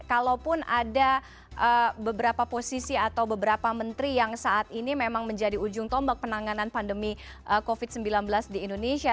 kalaupun ada beberapa posisi atau beberapa menteri yang saat ini memang menjadi ujung tombak penanganan pandemi covid sembilan belas di indonesia